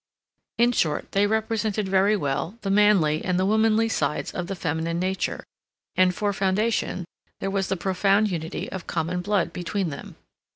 In short, they represented very well the manly and the womanly sides of the feminine nature, and, for foundation, there was the profound unity of common blood between them.